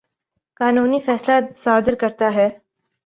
قانونی فیصلہ صادر کرتا ہے